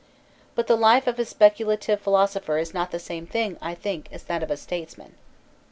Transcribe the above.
But the life of a specu lative philosopher is not the same thing, I think, as that of a statesman.